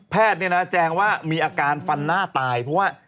แพทย์เนี่ยนะแจงว่ามีอาการฟันหน้าตายเพราะว่า